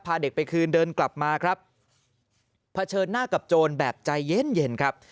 เด็กไปคืนเดินกลับมาครับเผชิญหน้ากับโจรแบบใจเย็นเย็นครับ